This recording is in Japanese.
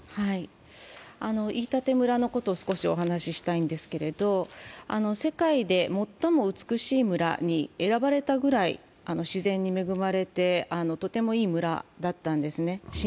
飯舘村のことを少しお話ししたいんですけれども、世界で最も美しい村に選ばれたくらい自然に恵まれて、とてもいい村だったんですね。